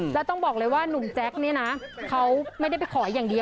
แล้วต้องบอกเลยว่านุ่มแจ๊คเนี่ยนะเขาไม่ได้ไปขออย่างเดียว